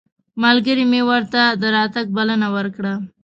ملګري مې ورته د راتګ بلنه ورکړه.